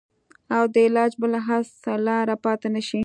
او د علاج بله هېڅ لاره پاته نه شي.